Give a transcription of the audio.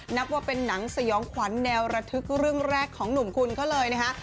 นับว่าเป็นหนังสยองขวัญแนวระทึกเรื่องแรกของหนุ่มคุณเขาเลยนะคะ